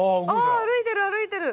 あ歩いてる歩いてる。